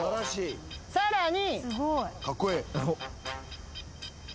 さらに。